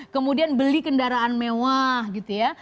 kemudian beli kendaraan mewah gitu ya